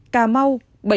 cà mau bảy mươi tám